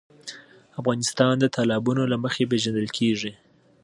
افغانستان د تالابونه له مخې پېژندل کېږي.